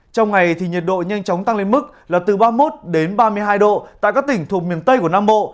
trong ngày thì nhiệt độ nhanh chóng tăng lên mức là từ ba mươi một đến ba mươi hai độ tại các tỉnh thuộc miền tây của nam bộ